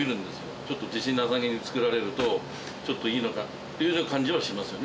ちょっと自信なさげに作られると、ちょっといいのか？っていうような感じはしますよね。